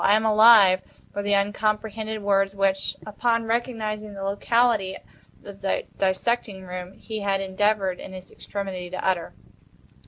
"I am alive," were the uncomprehended words which, upon recognizing the locality of the dissecting room, he had endeavored, in his extremity, to utter.